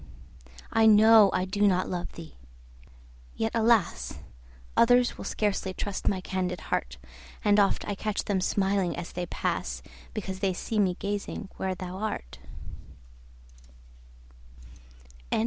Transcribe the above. I know I do not love thee! yet, alas! Others will scarcely trust my candid heart; And oft I catch them smiling as they pass, Because they see me gazing where thou art.